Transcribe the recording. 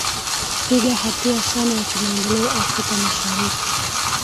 piga hatua sana ya kimaendeleo afrika mashariki